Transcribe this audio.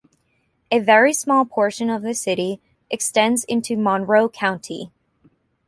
A very small portion of the city extends into Monroe County.